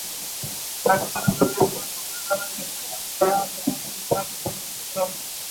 হাসপাতালের জরুরি বিভাগ সূত্রে জানা গেছে, সকালে আহত সাতজনকে হাসপাতালে ভর্তি করা হয়।